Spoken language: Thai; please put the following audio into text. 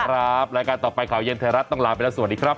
รายการต่อไปข่าวเย็นไทยรัฐต้องลาไปแล้วสวัสดีครับ